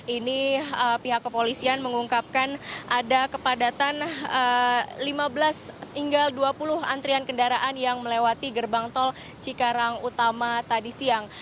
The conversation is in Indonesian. ini pihak kepolisian mengungkapkan ada kepadatan lima belas hingga dua puluh antrian kendaraan yang melewati gerbang tol cikarang utama tadi siang